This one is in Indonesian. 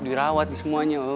dirawat di semuanya